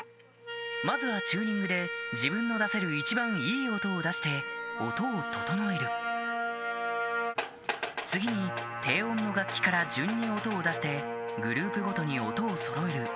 まずはチューニングで自分の出せる一番いい音を出して音を調える次に低音の楽器から順に音を出してグループごとに音をそろえる